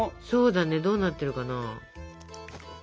そうだねどうなってるかな？